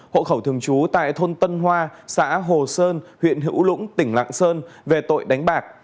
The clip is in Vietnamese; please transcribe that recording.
hộ khẩu thường trú tại thôn tân hoa xã hồ sơn huyện hữu lũng tỉnh lạng sơn về tội đánh bạc